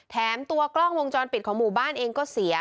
ตัวกล้องวงจรปิดของหมู่บ้านเองก็เสีย